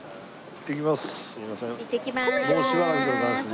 いってきまーす。